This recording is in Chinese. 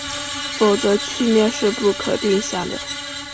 否则曲面是不可定向的。